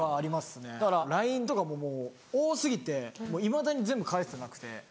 だからＬＩＮＥとかももう多過ぎていまだに全部返せてなくて。